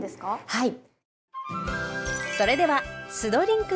はい。